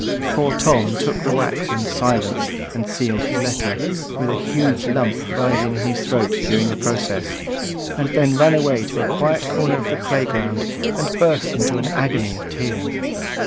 Poor Tom took the wax in silence and sealed his letter, with a huge lump rising in his throat during the process, and then ran away to a quiet corner of the playground, and burst into an agony of tears.